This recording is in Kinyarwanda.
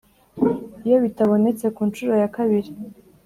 iyo bitabonetse ku nshuro ya kabiri